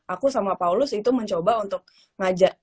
aku sama paulus itu mencoba untuk ngajak